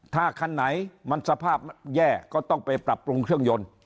ถ้าคันไหนมันสภาพแย่ก็ต้องไปปรับปรุงเครื่องยนต์